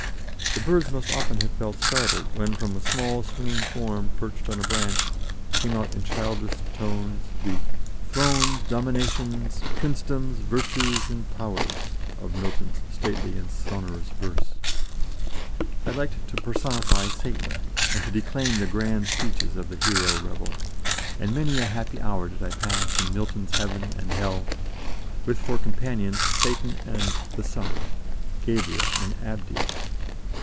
The birds must often have felt startled, when from the small swinging form perching on a branch, came out in childish tones the "Thrones, dominations, princedoms, virtues, powers," of Milton's stately and sonorous verse. I liked to personify Satan, and to declaim the grand speeches of the hero rebel, and many a happy hour did I pass in Milton's heaven and hell, with for companions Satan and "the Son," Gabriel and Abdiel.